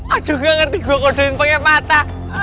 aduh gak ngerti gue kodokin pake mata